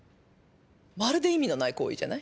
まるで意味のない行為じゃない？